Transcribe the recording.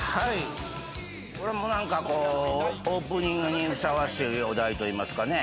これも何かこうオープニングにふさわしいお題といいますかね。